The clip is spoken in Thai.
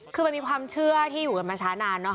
คือคุณมีความเชื่อที่อยู่กับมาชะนาน